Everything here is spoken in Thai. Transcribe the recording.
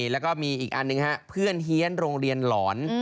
แล้วก็มีอีกอันหนึ่งฮะเพื่อนเฮียนโรงเรียนหลอน